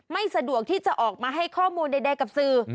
ไม่สะดวกที่จะออกมาให้ข้อมูลใดกับสื่อ